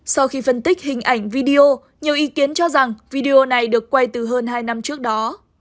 sau khi phân tích hình ảnh video nhiều ý kiến cho rằng video này được quay từ hơn hai năm trước đó